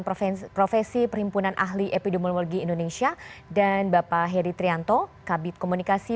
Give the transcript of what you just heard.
profesi perhimpunan ahli epidemiologi indonesia dan bapak heri trianto kabit komunikasi